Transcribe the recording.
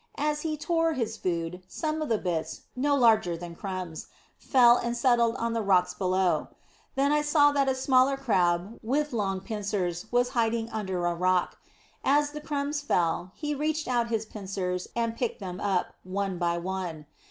As he tore his food, some of the bits, no larger than crumbs, fell and settled on the rocks below. Then I saw that a smaller Crab, with long pincers, was hiding under a rock. As the crumbs fell, he reached out his pincers and picked them up, one by one.